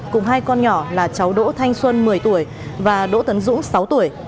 cùng hai con nhỏ là cháu đỗ thanh xuân một mươi tuổi và đỗ tấn dũng sáu tuổi